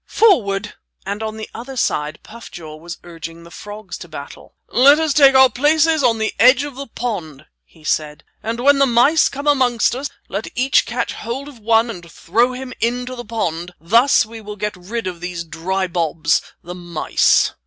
Forward!" And, on the other side, Puff jaw was urging the frogs to battle. "Let us take our places on the edge of the pond," he said, "and when the mice come amongst us, let each catch hold of one and throw him into the pond. Thus we will get rid of these dry bobs, the mice."